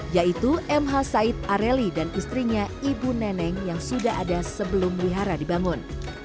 yaitu mh said areli dan istrinya ibu neneng yang sudah ada sebelum wihara dibangun